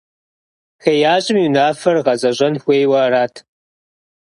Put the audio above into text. ХеящӀэм и унафээр гъэзэщӀэн хуейуэ арат.